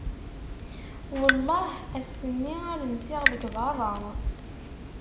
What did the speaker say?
Welleh ass-nni ar nsiɣ deg berra!